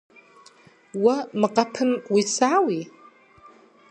Уэ мы къэпым уисауи?